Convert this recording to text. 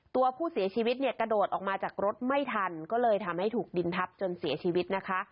ตัวผู้เสียชีวิตเนี่ยกระโดดออกมาจากรถไม่ทันก็เลยทำให้ถูกดินทับจนเสียชีวิตนะคะ